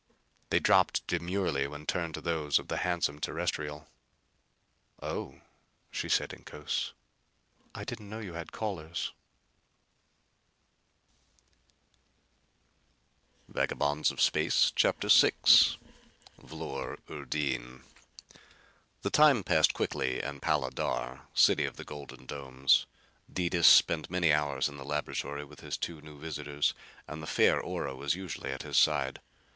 They dropped demurely when turned to those of the handsome Terrestrial. "Oh," she said, in Cos, "I didn't know you had callers." CHAPTER VI Vlor urdin The time passed quickly in Pala dar, city of the golden domes. Detis spent many hours in the laboratory with his two visitors and the fair Ora was usually at his side.